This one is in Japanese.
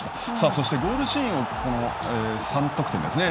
そしてゴールシーンをこの３得点ですね。